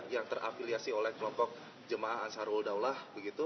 yang terafiliasi oleh kelompok jemaah ansarul daulah